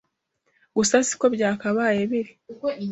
Gusa si ko byakabaye biri,